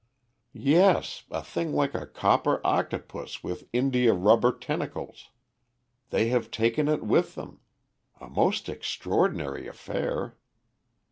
"Yes, a thing like a copper octopus with india rubber tentacles. They have taken it with them. A most extraordinary affair."